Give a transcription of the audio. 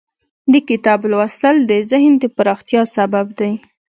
د کتاب لوستل د ذهن د پراختیا سبب دی.